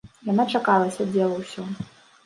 Яна чакала, сядзела ўсё.